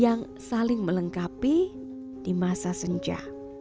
yang saling melengkapi di masa senja